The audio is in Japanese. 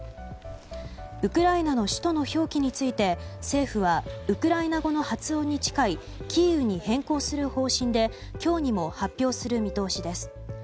ウクライナの首都の表記について政府はウクライナ語の発音に近いキーウに変更する方針で今日にも発表する見通しです。